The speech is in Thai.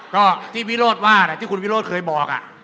ก็ที่วิโรฐว่าเนี้ยที่คุณวิโรฐเคยบอกอ่ะ